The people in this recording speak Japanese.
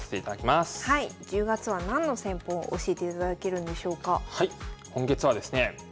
１０月は何の戦法を教えていただけるんでしょうか？